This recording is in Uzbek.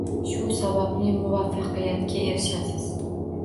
Shu sababli muvaffaqiyatga erishasiz